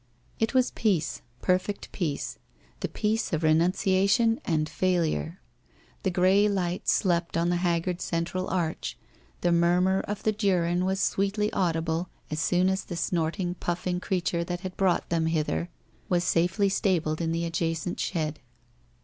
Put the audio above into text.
It was peace, perfect peace, the peace of renunciation and failure. The grey light slept on the haggard central arch, the murmur of the Duren was sweetly audible as soon as the snorting puffing crea ture that had brought them hither, was safely stabled in the adjacent shed.